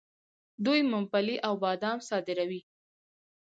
دوی ممپلی او بادام صادروي.